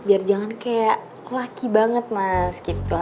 biar jangan kayak laki banget mas gitu